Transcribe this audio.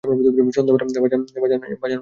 সন্ধ্যাবেলায় বাজনা বাজাইয়া বর আসিল।